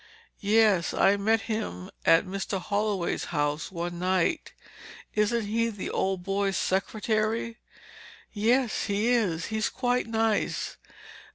"Yes, I met him at Mr. Holloway's house one night. Isn't he the old boy's secretary?" "Yes, he is. He's quite nice.